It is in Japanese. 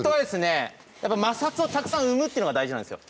摩擦をたくさん生むっていうのが大事なんですよ。